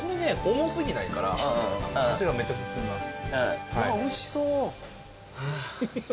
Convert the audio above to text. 重過ぎないから箸がめっちゃ進みます。